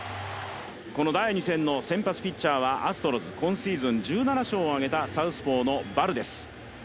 この第２戦の先発ピッチャーはアストロズ今シーズン１７勝を挙げたサウスポーのバルデス。